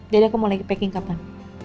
jadi aku mau lagi packing kapan